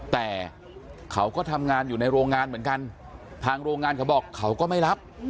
แต่เขาก็ทำงานอยู่ในโรงงานเหมือนกันทางโรงงานเขาบอกเขาก็ไม่รับ